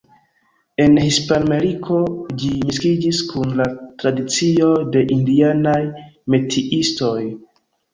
En Hispanameriko, ĝi miksiĝis kun la tradicioj de indianaj metiistoj.